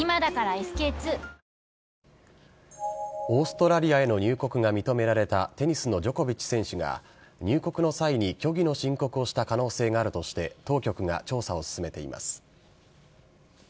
オーストラリアへの入国が認められたテニスのジョコビッチ選手が、入国の際に虚偽の申告をした可能性があるとして当局が調査を進めています。